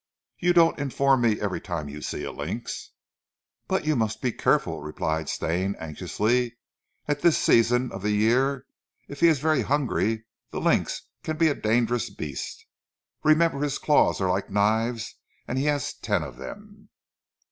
"You don't inform me every time you see a lynx!" "But you must be careful," replied Stane anxiously. "At this season of the year, if he is very hungry, the lynx can be a dangerous beast. Remember his claws are like knives and he has ten of them."